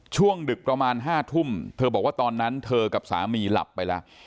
ดึกประมาณ๕ทุ่มเธอบอกว่าตอนนั้นเธอกับสามีหลับไปแล้ว